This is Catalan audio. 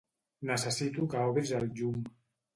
Necessito que obris el llum.